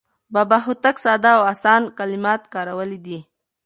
بابا هوتک ساده او اسان کلمات کارولي دي.